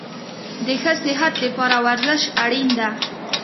د ښه صحت دپاره ورزش اړین ده